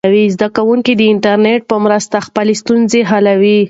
زده کوونکي د انټرنیټ په مرسته خپلې ستونزې حلوي.